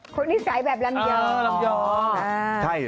คุณนิสัยแบบลำยองอ๋อลำยองอ่าใช่เหรอ